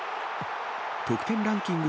得点ランキング